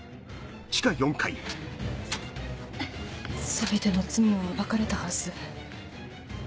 全ての罪は暴かれたはず。